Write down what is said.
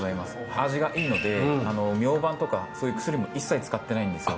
味がいいのでミョウバンとかそういう薬も一切使ってないんですよ。